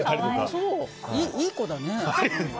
いい子だね。